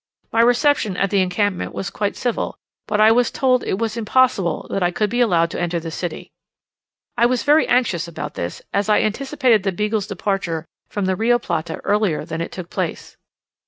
My reception at the encampment was quite civil, but I was told it was impossible that I could be allowed to enter the city. I was very anxious about this, as I anticipated the Beagle's departure from the Rio Plata earlier than it took place.